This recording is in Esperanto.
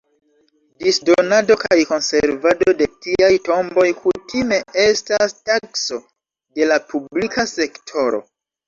Disdonado kaj konservado de tiaj tomboj kutime estas tasko de la publika sektoro.